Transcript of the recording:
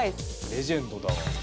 レジェンドだわ。